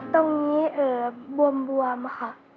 ตรงนี้บวมค่ะ